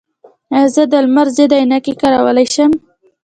ایا زه د لمر ضد عینکې کارولی شم؟